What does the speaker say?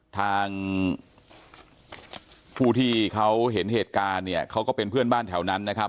ทางผู้ที่เขาเห็นเหตุการณ์เนี่ยเขาก็เป็นเพื่อนบ้านแถวนั้นนะครับ